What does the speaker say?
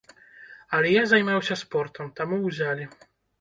Але я займаўся спортам, таму ўзялі.